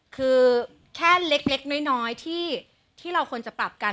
คือแค่เล็กน้อยที่เราควรจะปรับกัน